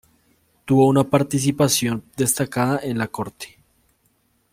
Tuvo una participación destacada en la Corte.